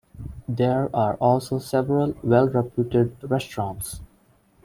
There are also several well-reputed restaurants.